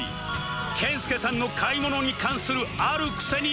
健介さんの買い物に関するある癖に物申す！